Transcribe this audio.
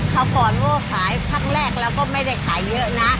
เค้าก่อนว่าขายพักแรกแล้วก็ไม่ได้ขายเยอะนะ